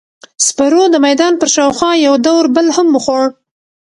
سپرو د میدان پر شاوخوا یو دور بل هم وخوړ.